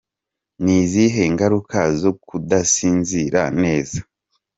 Ni izihe ngaruka zo kudasinzira neza ?.